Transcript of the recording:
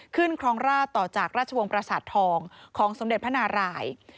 ครองราชต่อจากราชวงศ์ประสาททองของสมเด็จพระนาราย